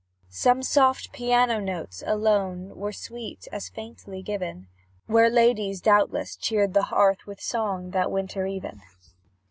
Some soft piano notes alone Were sweet as faintly given, Where ladies, doubtless, cheered the hearth With song that winter even.